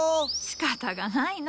しかたがないのう。